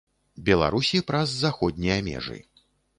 Беларусі праз заходнія межы.